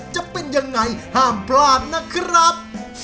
จะเป็นยังไงห้ามพลาดนะครับ